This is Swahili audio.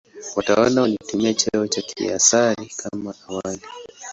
Watawala walitumia cheo cha "Kaisari" kama awali.